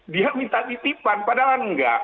dia minta titipan padahal enggak